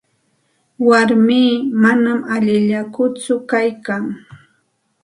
Warmii manam allillakutsu kaykan.